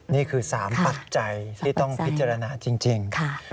นี่คือ๓ปัจจัยที่ต้องพิจารณาจริง